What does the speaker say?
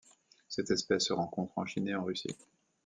Cette espèce se rencontre en Chine et en Russie.